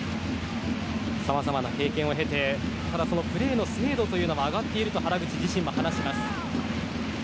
さまざまな経験を経てただ、そのプレーの精度は上がっていると原口自身も話します。